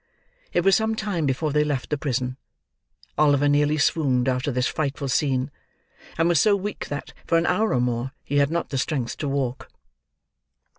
It was some time before they left the prison. Oliver nearly swooned after this frightful scene, and was so weak that for an hour or more, he had not the strength to walk.